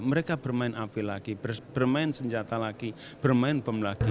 mereka bermain api lagi bermain senjata lagi bermain bom lagi